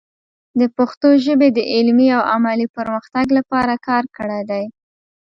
د پښتو ژبې د علمي او عملي پرمختګ لپاره کار کړی دی.